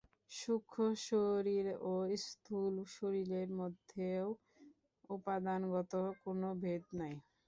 সূক্ষ্ম শরীর ও স্থূল শরীরের মধ্যেও উপাদানগত কোন ভেদ নাই।